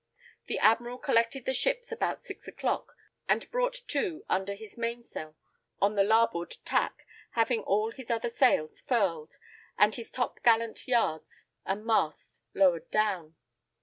The Admiral collected the ships about six o'clock, and brought to under his main sail on the larboard tack, having all his other sails furled, and his top gallant yards and masts lowered down.